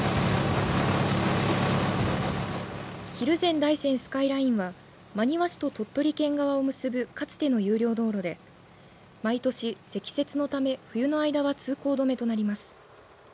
蒜山大山スカイラインは真庭市と鳥取県側を結ぶかつての有料道路で毎年、積雪のため冬の間は通行止めとなります。